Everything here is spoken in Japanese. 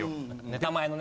名前のね。